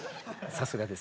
さすがです。